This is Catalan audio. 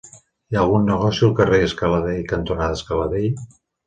Hi ha algun negoci al carrer Scala Dei cantonada Scala Dei?